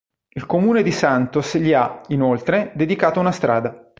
Il Comune di Santos gli ha, inoltre, dedicato una strada.